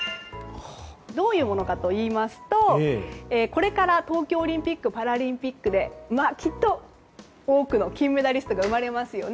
どういうものかといいますとこれから東京オリンピック・パラリンピックできっと多くの金メダリストが生まれますよね。